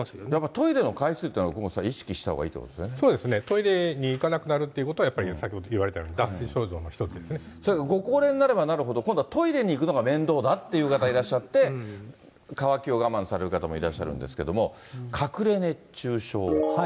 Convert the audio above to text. だからトイレの回数というのは、奥元さん、意識したほうがいそうですね、トイレに行かなくなるっていうのは、やっぱりさっきも言われたように脱水症状のご高齢になればなるほど、今度はトイレに行くのが面倒だという方もいらっしゃって、渇きを我慢される方もいるんですけど、隠れ熱中症。